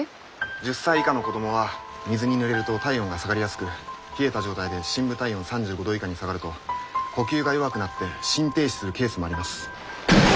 １０歳以下の子供は水にぬれると体温が下がりやすく冷えた状態で深部体温３５度以下に下がると呼吸が弱くなって心停止するケースもあります。